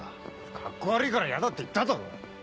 カッコ悪いからヤダって言っただろ！